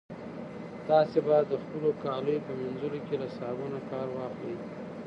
تاسي باید د خپلو کاليو په مینځلو کې له صابون کار واخلئ.